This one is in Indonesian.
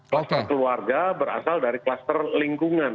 klaster keluarga berasal dari klaster lingkungan